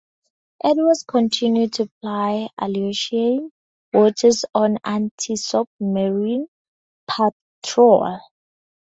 "Edwards" continued to ply Aleutian waters on antisubmarine patrol.